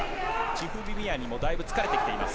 チフビミアニもだいぶ疲れてきています。